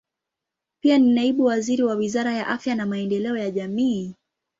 Pia ni naibu waziri wa Wizara ya Afya na Maendeleo ya Jamii.